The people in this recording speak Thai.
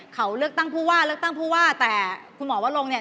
เขาเลือกตั้งผู้ว่าเลือกตั้งผู้ว่าแต่คุณหมอวะลงเนี่ย